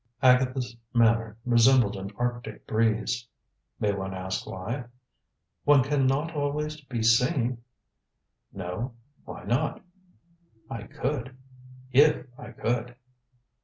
Agatha's manner resembled an Arctic breeze. "May one ask why?" "One can not always be singing." "No? Why not? I could if I could."